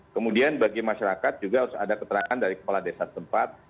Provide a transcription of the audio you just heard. kemudian bagi masyarakat juga harus ada keterangan dari kepala desa tempat